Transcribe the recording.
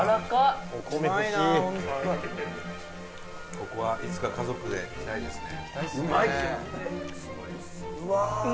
ここはいつか家族で来たいですね。